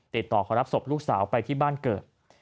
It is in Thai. ติดต่อขอรับศพลูกสาวไปที่บ้านเกิด